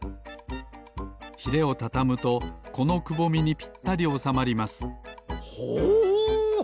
ヒレをたたむとこのくぼみにぴったりおさまりますほう！